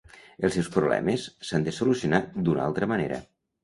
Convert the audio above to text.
Els seus problemes s’han de solucionar d’una altra manera.